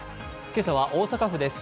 今朝は大阪府です。